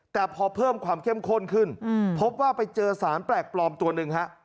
แต่พอเพิ่มความเข้มข้นขึ้นพบว่าไปเจอสารแปลกปลอมตัวหนึ่งฮะ